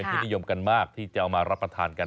ที่นิยมกันมากที่จะเอามารับประทานกัน